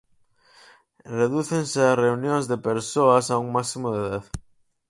Redúcense as reunións de persoas a un máximo de dez.